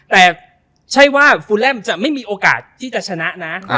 แต่ใช่ว่าฟูแลมจะไม่มีโอกาสที่จะชนะนะ